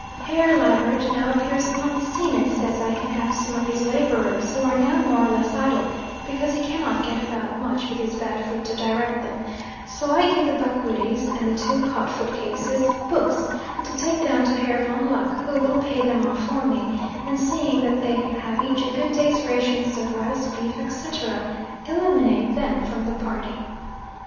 Herr Liebert now appears upon the scene, and says I can have some of his labourers, who are now more or less idle, because he cannot get about much with his bad foot to direct them, so I give the Bakwiris and the two hot foot cases "books" to take down to Herr von Lucke who will pay them off for me, and seeing that they have each a good day's rations of rice, beef, etc., eliminate them from the party.